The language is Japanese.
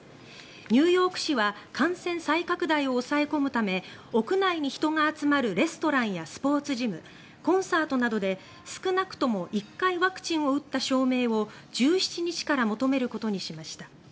ニューヨーク市は感染再拡大を抑え込むため屋内に人が集まるレストランやスポーツジム、コンサートなどで少なくとも１回ワクチンを打った証明を１７日から求めることにしました。